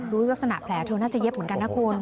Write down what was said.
ลักษณะแผลเธอน่าจะเย็บเหมือนกันนะคุณ